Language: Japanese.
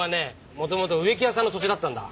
もともと植木屋さんの土地だったんだ。